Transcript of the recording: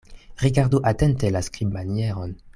Rigardu atente la skribmanieron.